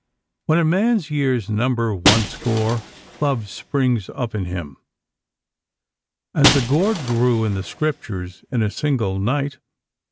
When a man's years number one score, love springs up in him, as the gourd grew in the Scriptures, in a single night.